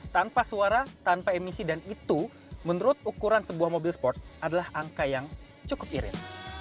tanpa suara tanpa emisi dan itu menurut ukuran sebuah mobil sport adalah angka yang cukup irit